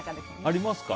ありますか？